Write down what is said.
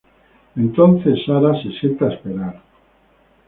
Entonces Sarah se sienta a esperar.